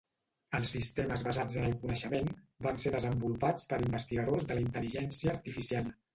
Els sistemes basats en el coneixement van ser desenvolupats per investigadors de la intel·ligència artificial.